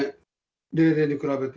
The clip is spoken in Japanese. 例年に比べて。